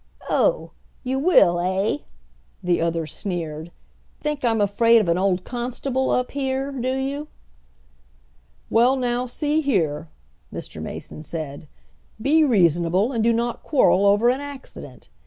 "Oh! you will, eh?" the other sneered. "Think I'm afraid of an old constable up here, do you?" "Well now, see here," Mr. Mason said, "Be reasonable and do not quarrel over an accident.